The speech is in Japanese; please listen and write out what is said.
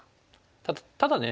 ただね